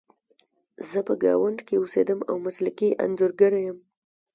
زه په ګاونډ کې اوسیدم او مسلکي انځورګره یم